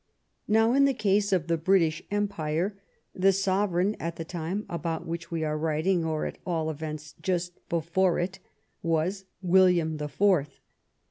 Now, in the case of the British Empire the sovereign at the time about which we are writing, or, at all events, just before it, was William the Fourth.